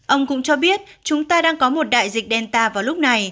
ông cũng cho biết chúng ta đang có một đại dịch delta vào lúc này